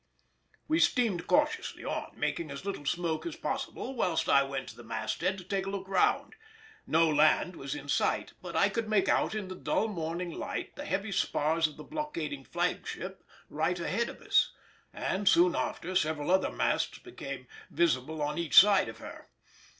We steamed cautiously on, making as little smoke as possible, whilst I went to the masthead to take a look round: no land was in sight, but I could make out in the dull morning light the heavy spars of the blockading flagship right ahead of us, and soon after several other masts became visible on each side of her.